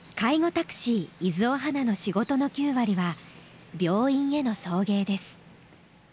タクシー伊豆おはなの仕事の９割は病院への送迎です。